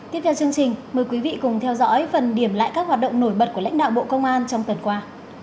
tiếp theo chương trình mời quý vị cùng theo dõi phần điểm lại các hoạt động nổi bật của lãnh đạo bộ công an trong tuần qua